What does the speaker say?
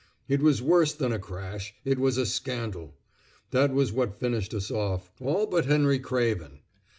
It was worse than a crash. It was a scandal. That was what finished us off, all but Henry Craven!